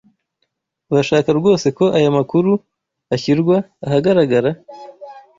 Urashaka rwose ko aya makuru ashyirwa ahagaragara?